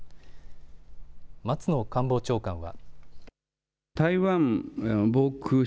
松野官房長官は。